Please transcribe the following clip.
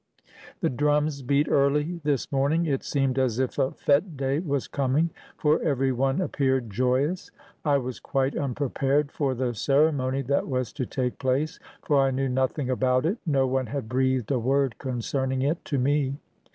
The drums beat early this morning; it seemed as if a fete day was coming, for every one appeared joyous. I was quite unprepared for the ceremony that was to take place, for I knew nothing about it; no one had breathed a word concerning it to me.